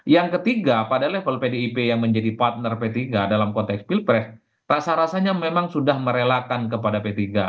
yang ketiga pada level pdip yang menjadi partner p tiga dalam konteks pilpres rasa rasanya memang sudah merelakan kepada p tiga